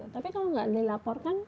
tapi kalau tidak dilaporkan